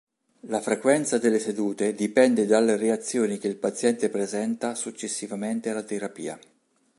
La frequenza delle sedute dipende dalle reazioni che il paziente presenta successivamente alla terapia.